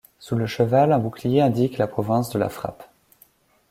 Sous le cheval, un bouclier indique la province de la frappe.